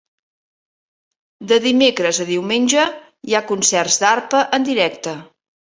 De dimecres a diumenge hi ha concerts d'arpa en directe.